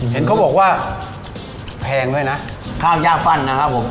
เห็นเขาบอกว่าแพงด้วยนะข้าวย่าปั้นนะครับผม